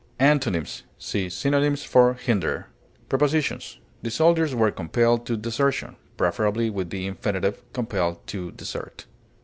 Antonyms: See synonyms for HINDER. Prepositions: The soldiers were compelled to desertion: preferably with the infinitive, compelled to desert.